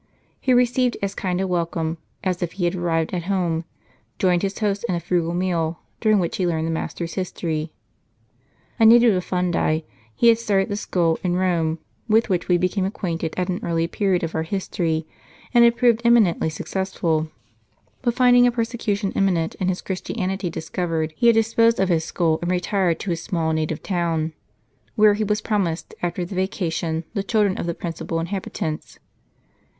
He received as kind a wel come as if he had arrived at home ; joined his host in a frugal meal, during which he learned the master's history. A native of Fundi, he had started the school in Eome, with which we became acquainted at an early period of our history, and had proved eminently successful. But finding a persecution imminent, and his Christianity discovered, he had disposed of his school and retired to his small native town, where he was promised, after the vacation, the children of the principal inhabitants.